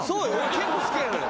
結構好きなのよ。